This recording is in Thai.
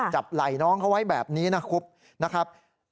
ไหล่น้องเขาไว้แบบนี้นะครับ